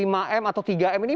lima m atau tiga m ini